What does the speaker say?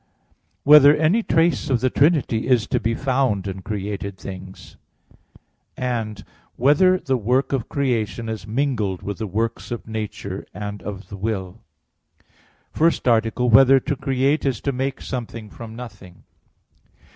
(7) Whether any trace of the Trinity is to be found in created things? (8) Whether the work of creation is mingled with the works of nature and of the will? _______________________ FIRST ARTICLE [I, Q. 45, Art. 1] Whether to Create Is to Make Something from Nothing?